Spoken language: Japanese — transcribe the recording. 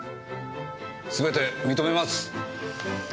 すべて認めます。